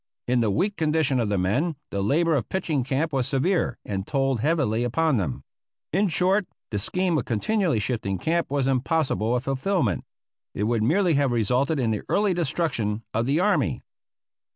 In the weak condition of the men the labor of pitching camp was severe and told heavily upon them. In short, the scheme of continually shifting camp was impossible of fulfilment. It would merely have resulted in the early destruction of the army.